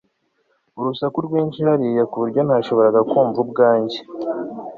urusaku rwinshi hariya ku buryo ntashoboraga kumva ubwanjye